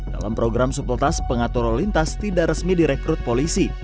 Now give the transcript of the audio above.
dalam program supletas pengatur lalu lintas tidak resmi direkrut polisi